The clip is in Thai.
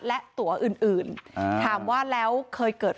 และตัวอื่นถามว่าแล้วเคยเกิด